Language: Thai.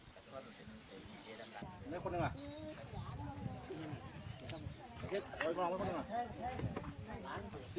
สยอดใต้ไม่มีช่วย